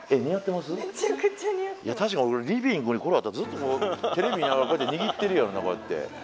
確かにリビングにこれあったらずっとこうテレビ見ながら握ってるやろなこうやって。